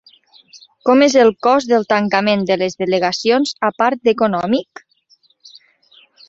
Com és el cost del tancament de les delegacions a part d'econòmic?